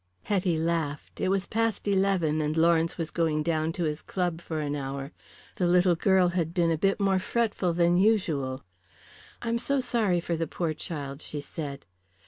Hetty laughed. It was past eleven, and Lawrence was going down to his club for an hour. The little girl had been a bit more fretful than usual. "I'm so sorry for the poor child," she said.